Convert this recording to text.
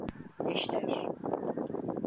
Neşter…